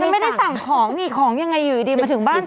ไม่ได้สั่งของของยังไงอยู่ดีมาถึงบ้านฉัน